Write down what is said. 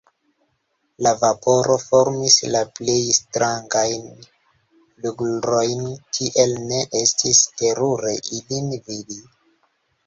La vaporo formis la plej strangajn flgurojn, tiel ke estis terure ilin vidi.